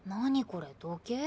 これ時計？